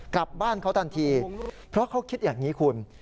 กลับบ้านเขาทันทีเพราะเขาคิดอย่างนี้คุณ